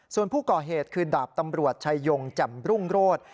ส่วนผู้ก่อเหตุคือดาบตำรวจชายงแจ่มรุ่งโรศ